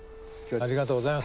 ありがとうございます。